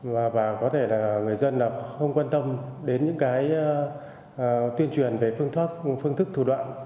và có thể là người dân không quan tâm đến những cái tuyên truyền về phương thức thủ đoạn